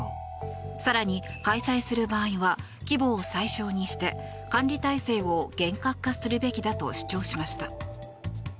更に、開催する場合は規模を最小にして管理体制を厳格化するべきだと主張しました。